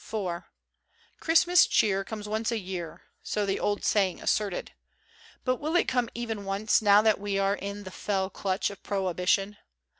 IV CHRISTMAS cheer comes once a year, so the old saying asserted. But will it come even once, now that we are in the fell clutch of prohibition